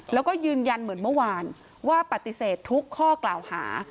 แล้วก็ยืนยันเหมือนเมื่อวานว่าปฏิเสธทุกข้อกล่าวหา